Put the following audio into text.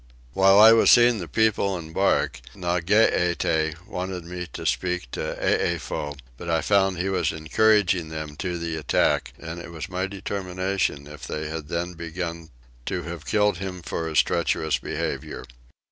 While I was seeing the people embark Nageete wanted me to stay to speak to Eefow, but I found he was encouraging them to the attack, and it was my determination if they had then begun to have killed him for his treacherous behaviour.